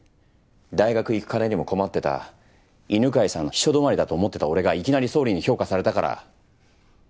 大学いく金にも困ってた犬飼さんの秘書止まりだと思ってた俺がいきなり総理に評価されたから。